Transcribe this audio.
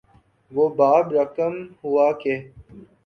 وہ باب رقم ہوا کہ